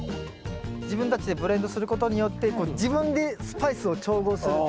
自分たちでブレンドすることによって自分でスパイスを調合する楽しさとかね。